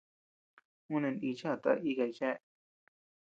Ú neʼë nichi a taka ikay chea.